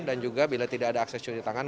dan juga bila tidak ada akses cuci tangan